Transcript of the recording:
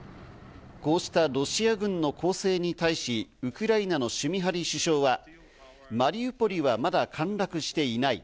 こうしたロシア軍の攻勢に対し、ウクライナのシュミハリ首相は、マリウポリはまだ陥落していない。